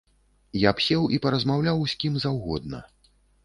Я б сеў і паразмаўляў з кім заўгодна.